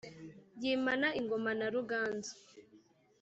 yimana ingoma na ruganzu